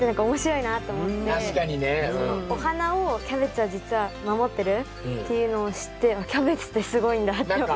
確かにね。お花をキャベツは実は守ってるっていうのを知ってキャベツってすごいんだって思いました。